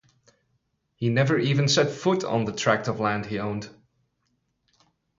He never even set foot on the tract of land he owned.